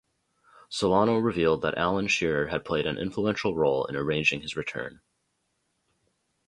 Solano revealed that Alan Shearer had played an influential role in arranging his return.